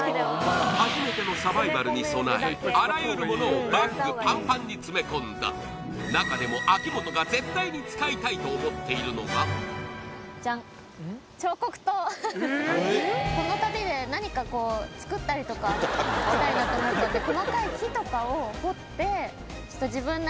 初めてのサバイバルに備えあらゆるものをバッグパンパンに詰め込んだ中でも秋元が絶対に使いたいと思っているのがジャンと思ってます